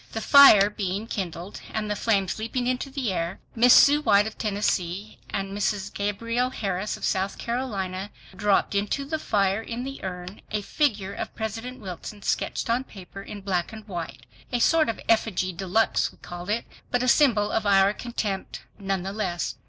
The fire being kindled, and the flames leaping into the air, Miss Sue White of Tennessee and Mrs. Gabrielle Harris of South Carolina dropped into the fire in the urn a figure of President Wilson sketched on paper in black and white—a sort of effigy de luxe, we called it, but a symbol of our contempt none the less.